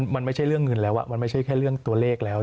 มันไม่ใช่เรื่องเงินแล้วมันไม่ใช่แค่เรื่องตัวเลขแล้ว